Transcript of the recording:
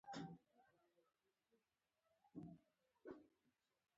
د ژبې په برکت ټولنه په تېزۍ سره مخ ته ځي.